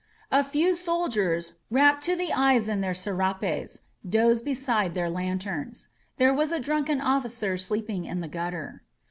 A few soldiers, wrapped to the eyes in their serapes, dozed beside their lanterns. There was a drunken officer sleeping in the gutter.